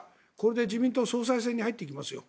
自民党総裁選に入っていきますよ。